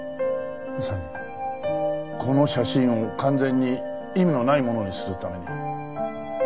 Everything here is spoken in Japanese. まさにこの写真を完全に意味のないものにするために。